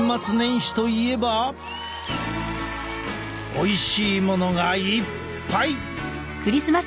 おいしいものがいっぱい！